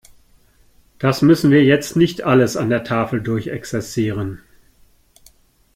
Das müssen wir jetzt nicht alles an der Tafel durchexerzieren.